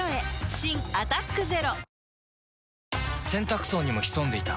新「アタックＺＥＲＯ」洗濯槽にも潜んでいた。